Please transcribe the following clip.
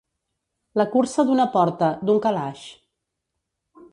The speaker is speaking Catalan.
La cursa d'una porta, d'un calaix.